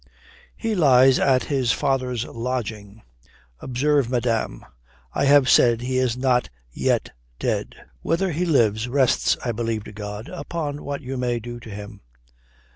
"He lies at his father's lodging. Observe, madame: I have said he is not yet dead. Whether he lives rests, I believe to God, upon what you may be to him."